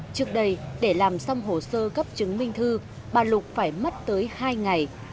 trước đây để làm xong hồ sơ cấp chứng minh thư bà lục phải mất tới hai ngày